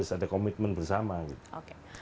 ada komitmen bersama gitu